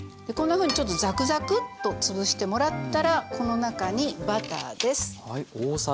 こんなふうにちょっとザクザクッとつぶしてもらったらこの中にバターです。